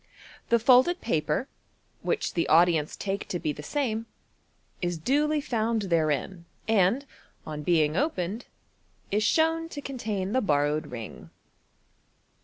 The folded paper, which the audience take to be the same, is duly found therein, and, on being opened, is shown to contain the borrowed ring.